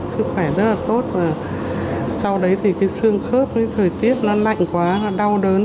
sức khỏe rất là tốt và sau đấy thì cái xương khớp với thời tiết nó lạnh quá nó đau đớn